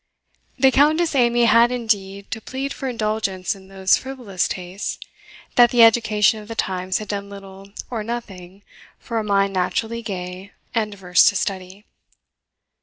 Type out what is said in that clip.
The Countess Amy had, indeed, to plead for indulgence in those frivolous tastes, that the education of the times had done little or nothing for a mind naturally gay and averse to study.